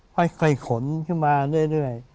ให้ไขขนขึ้นมาเรื่อย